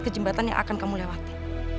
kejembatan yang akan kamu lewati